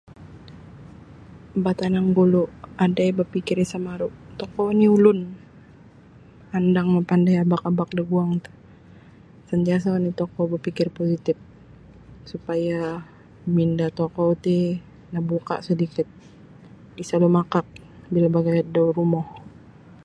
Batanang gulu' adai bapikir isa maru' tokou oni ulun andang mapandai abak-abak daguang ti santiasa' oni' tokou bapikir positif supaya minda tokou ti nabuka sedikit isa' lumakak bila bagayad da rumo.